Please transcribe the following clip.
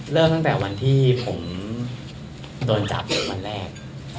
เริ่มตั้งแต่วันที่ผมโดนจับวันแรก